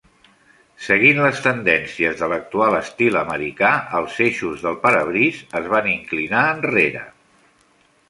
Seguint les tendències de l'actual estil americà, els eixos del parabrisa es van inclinar enrere.